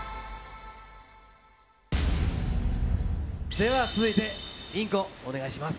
では続いて、リンコ、お願いします。